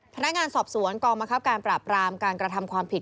พนักงานสอบสวนกองบังคับการปราบรามการกระทำความผิด